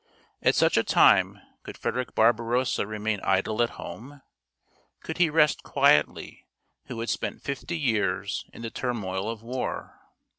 At such a time could Frederick Barbarossa remain idle at home ? Could he rest quietly who had spent fifty years in the turmoil of war?